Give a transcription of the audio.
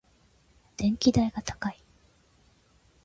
電気代が高い。